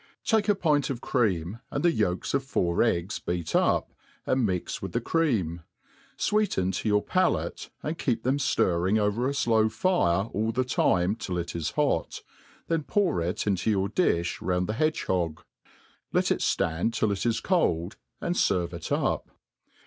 Take a pint of cream, and the yolks of four eggs beat up, and mix with the cream : fweetea to your palate, and keep them ftlrring over a flow fire all the jtime till it is hot, then pour it into your difli round the hedge hog ; let it ftand till it is cold, and ferve it up.